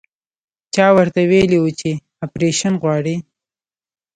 چا ورته ويلي وو چې اپرېشن غواړي.